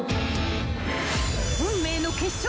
［運命の決勝戦］